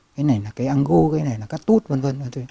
cái này là cái ăn gô cái này là cái tút v v